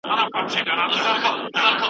په دغي کڅوڼي کي مي د تلوېزیون ریموټ ایښی و.